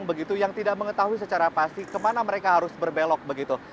begitu yang tidak mengetahui secara pasti kemana mereka harus berbelok begitu